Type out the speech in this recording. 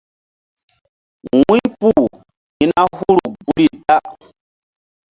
Wu̧ypu hi̧ na huru guri da.